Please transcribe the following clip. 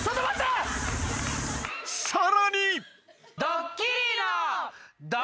［さらに］